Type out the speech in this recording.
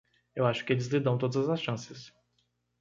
Eu acho que eles lhe dão todas as chances.